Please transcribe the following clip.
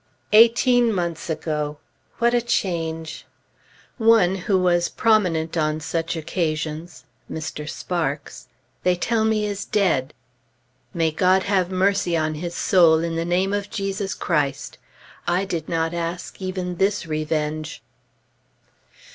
Eighteen months ago! What a change! One who was prominent on such occasions Mr. Sparks they tell me is dead. May God have mercy on his soul, in the name of Jesus Christ! I did not ask even this revenge.